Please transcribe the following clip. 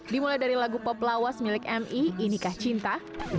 dimulai dari lagu pop lawas milik mi inikah cinta